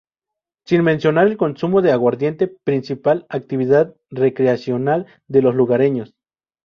Sin mencionar el consumo de aguardiente, principal actividad recreacional de los lugareños.